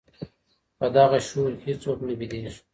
په دغه شور کي هیڅوک نه بېدېږي.